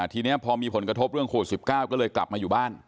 ทีนี้พอมีผลกระทบเรื่องโควิด๑๙ก็เลยกลับมาอยู่บ้าน